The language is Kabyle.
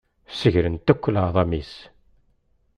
Segrent akk leεḍam-is.